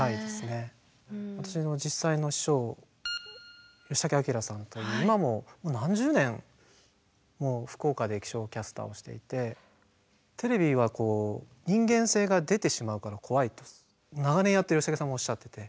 私の実際の師匠吉竹顕彰さんという今も何十年も福岡で気象キャスターをしていてテレビは人間性が出てしまうから怖いと長年やってる吉竹さんがおっしゃってて。